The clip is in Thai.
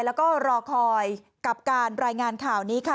แล้วก็รอคอยกับการรายงานข่าวนี้ค่ะ